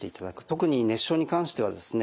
特に熱傷に関してはですね